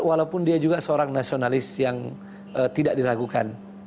walaupun dia juga seorang nasionalis yang tidak diragukan